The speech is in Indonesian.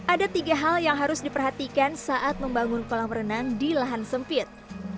ada tiga hal yang harus diperhatikan saat membangun kolam renang di lahan sempit